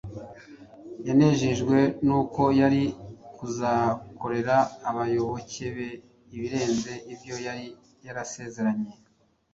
Yanejejwe n’uko yari kuzakorera abayoboke be ibirenze ibyo yari yarasezeranye